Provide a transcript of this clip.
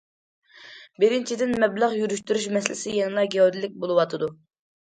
بىرىنچىدىن، مەبلەغ يۈرۈشتۈرۈش مەسىلىسى يەنىلا گەۋدىلىك بولۇۋاتىدۇ.